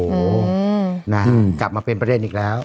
นะครับกลับมาเป็นประเด็นอีกแล้ว